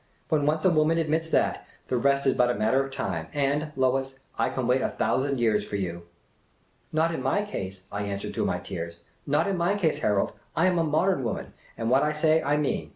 When once a woman admits that, the rest is but a matter of time— and, Lois, I can wait a thou sand years for you." " Not in my case," I answered through my tears. " Not in my case, Harold ! I am a modern womaij, and what I say I mean.